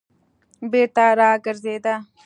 بېرته راگرځېده.